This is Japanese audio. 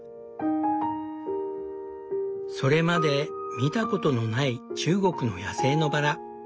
それまで見たことのない中国の野生のバラ。